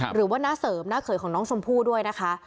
หรือว่าน้าเสริมน้าเขยของน้องชมพู่ด้วยนะคะ